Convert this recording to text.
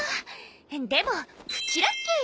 でもプチラッキー！